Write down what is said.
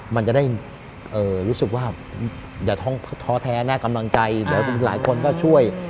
มันจะได้รู้สึกว่าอย่าท่องท้อแท้นะกำลังใจเดี๋ยวหลายคนก็ช่วย